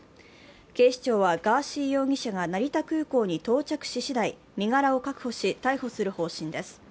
警視庁はガーシー容疑者が成田空港に到着ししだい、身柄を確保し、逮捕する方針です。